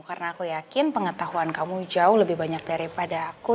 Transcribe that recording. karena aku yakin pengetahuan kamu jauh lebih banyak daripada aku